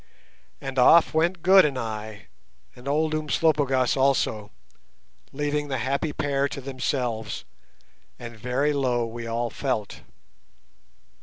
And off went Good and I, and old Umslopogaas also, leaving the happy pair to themselves, and very low we all felt.